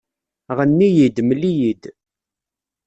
Ɣenni-yi-d, mel-iyi-d